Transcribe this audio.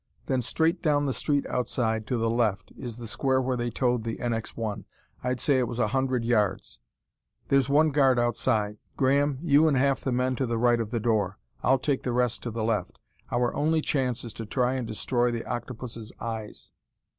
Then straight down the street outside, to the left, is the square where they towed the NX 1. I'd say it was a hundred yards. "There's one guard outside. Graham, you and half the men to the right of the door. I'll take the rest to the left. Our only chance is to try and destroy the octopus' eyes."